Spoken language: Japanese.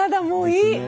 もういい。